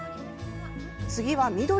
次は緑！